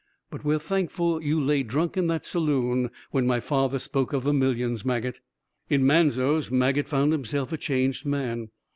But we're thankful you lay drunk in that saloon when my father spoke of the millions, Maget." In Manzos, Maget found himself a changed man.